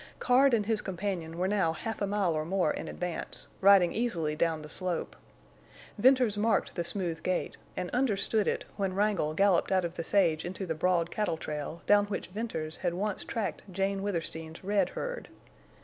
Card and his companion were now half a mile or more in advance, riding easily down the slope. Venters marked the smooth gait, and understood it when Wrangle galloped out of the sage into the broad cattle trail, down which Venters had once tracked Jane Withersteen's red herd.